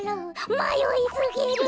まよいすぎる。